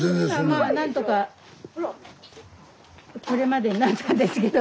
今まあ何とかこれまでになったんですけど。